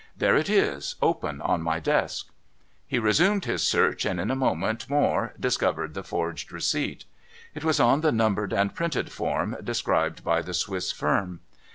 There it is, open on my desk.' He resumed his search, and in a moment more discovered the forged receipt. It was on the numbered and printed form, described by the Swiss firm.